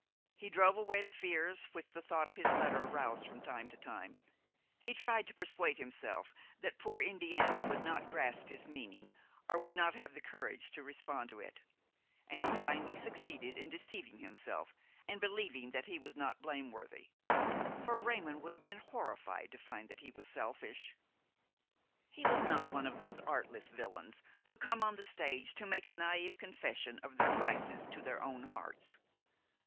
He drove away the fears which the thought of his letter aroused from time to time; he tried to persuade himself that poor Indiana would not grasp his meaning or would not have the courage to respond to it; and he finally succeeded in deceiving himself and believing that he was not blameworthy, for Raymon would have been horrified to find that he was selfish. He was not one of those artless villains who come on the stage to make a naïve confession of their vices to their own hearts.